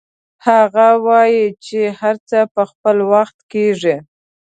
هغه وایي چې هر څه په خپل وخت کیږي